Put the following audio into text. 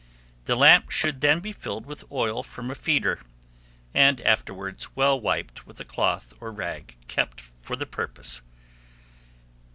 The lamp should then be filled with oil from a feeder, and afterwards well wiped with a cloth or rag kept for the purpose.